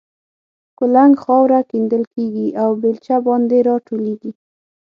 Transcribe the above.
کولنګ خاوره کیندل کېږي او بېلچه باندې را ټولېږي.